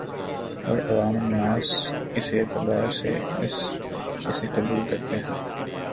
اور عوام الناس اسی اعتبار سے اسے قبول کرتے ہیں